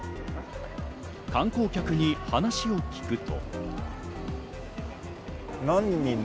観光客に話を聞くと。